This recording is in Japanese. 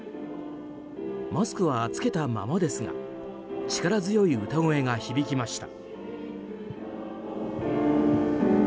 マスクは着けたままですが力強い歌声が響きました。